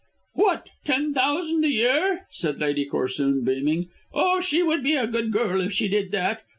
"What, ten thousand a year?" said Lady Corsoon beaming. "Oh, she would be a good girl if she did that.